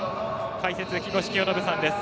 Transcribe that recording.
解説、木越清信さんです。